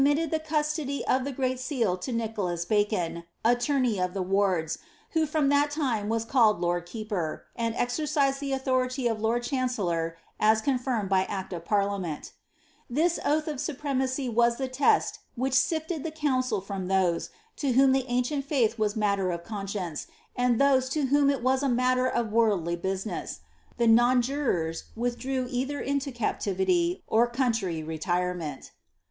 The queen having a good respect for him would Dot deprive him of his title, but committed the custody of the great seal to Nicholas Bacon, attorney of the wards, who from that time was calle«l lord keeper, and exercised the authority of lord chancellor as confirmed by act of parliament.^' ' This oath of supremacy was the lest which sifted the council from those, to whom the ancient faith was matter of conscience, and those to whom it was matter of worldly busi ness : the nonjurors withdrew either into captivity, or country retire ment.